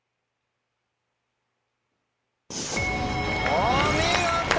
お見事！